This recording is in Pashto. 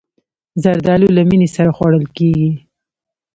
زردالو له مینې سره خوړل کېږي.